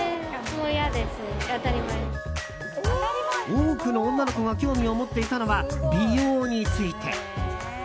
多くの女の子が興味を持っていたのは美容について。